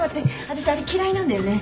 私あれ嫌いなんだよね。